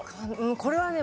これはね